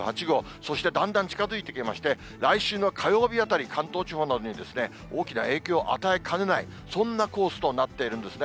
そしてだんだん近づいてきまして、来週の火曜日あたり、関東地方などに大きな影響を与えかねない、そんなコースとなっているんですね。